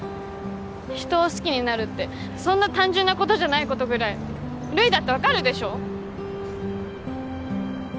人を好きになるってそんな単純なことじゃないことぐらい留依だって分かるでしょ？